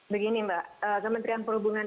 begini mbak kementerian perhubungan